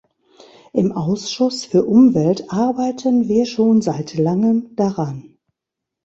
Im Ausschuss für Umwelt arbeiten wir schon seit langem daran.